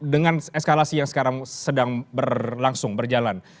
dengan eskalasi yang sekarang sedang berlangsung berjalan